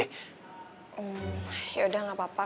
hmm yaudah gak apa apa